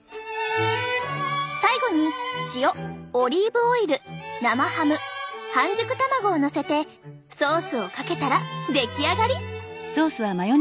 最後に塩オリーブオイル生ハム半熟卵をのせてソースをかけたら出来上がり。